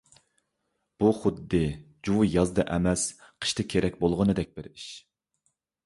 بۇ خۇددى جۇۋا يازدا ئەمەس، قىشتا كېرەك بولغىندەك بىر ئىش.